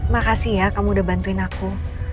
makasih ya kamu udah bantuin aku